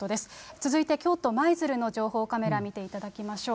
続いて、京都・舞鶴の情報カメラ見ていただきましょう。